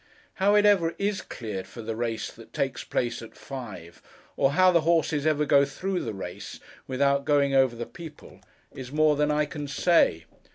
How it ever is cleared for the race that takes place at five, or how the horses ever go through the race, without going over the people, is more than I can say.